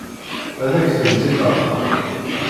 Ad ak-tent-id-aɣeɣ.